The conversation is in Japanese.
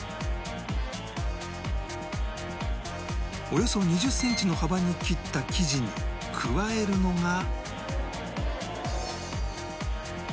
およそ２０センチの幅に切った生地に加えるのが